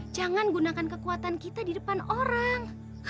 jangan gunakan kekuatan kita di depan orang